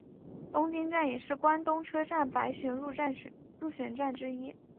东京站也是关东车站百选入选站之一。